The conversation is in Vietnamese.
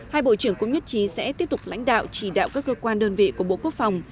hai bộ trưởng cũng nhất trí sẽ tiếp tục lãnh đạo chỉ đạo các cơ quan đơn vị của bộ quốc phòng